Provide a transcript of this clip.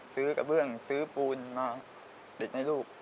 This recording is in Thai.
กระเบื้องซื้อปูนมาติดในลูก